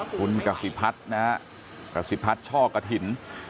คุณกสิพัทนะครับกสิพัทช่อกระถิ่น